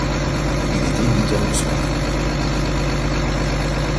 Il était huit heures du soir